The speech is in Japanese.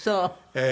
ええ。